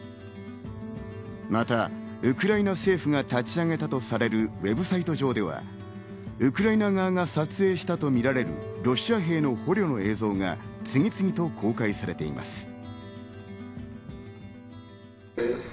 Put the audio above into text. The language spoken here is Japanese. またウクライナ政府が立ち上げたとされるＷＥＢサイト上ではウクライナ側が撮影したとみられるロシア兵の捕虜の映像が次々と公開されています。